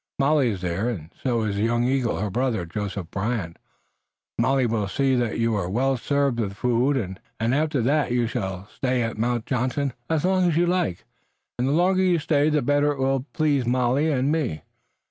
Molly is there, and so is that young eagle, her brother, Joseph Brant. Molly will see that you're well served with food, and after that you shall stay at Mount Johnson as long as you like, and the longer you'll stay the better it will please Molly and me.